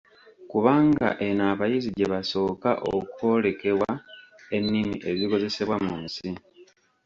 Kubanga eno abayizi gye basooka okwolekebwa ennimi ezikozesebwa mu nsi.